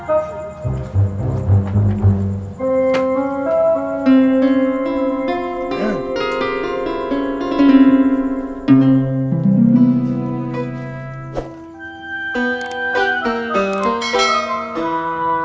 tapi kejadiannya sama aku